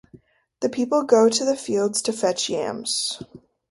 The people go to the fields to fetch yams.